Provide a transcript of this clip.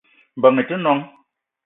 Mbeng i te noong